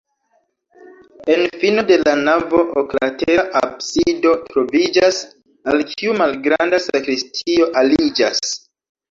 En fino de la navo oklatera absido troviĝas, al kiu malgranda sakristio aliĝas.